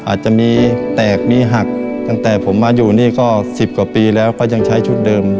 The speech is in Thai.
อาจจะมีแตกมีหักตั้งแต่ผมมาอยู่นี่ก็๑๐กว่าปีแล้วก็ยังใช้ชุดเดิม